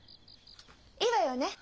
いいわよね？